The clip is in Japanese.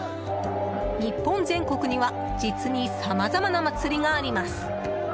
日本全国には実にさまざまな祭りがあります。